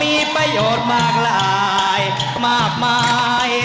มีประโยชน์มากหลายมากมาย